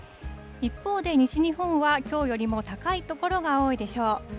一方で西日本は、きょうよりも高い所が多いでしょう。